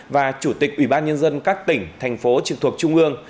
và chủ tịch ủy ban nhân dân các tỉnh thành phố trực thuộc trung ương